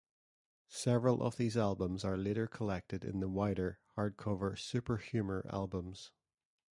Several of these albums are later collected in the wider, hardcover "Super Humor" albums.